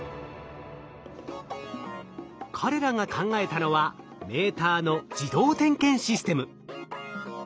彼らが考えたのはメーターの自動点検システム。